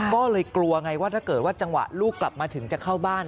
ก็เลยกลัวไงว่าถ้าเกิดว่าจังหวะลูกกลับมาถึงจะเข้าบ้าน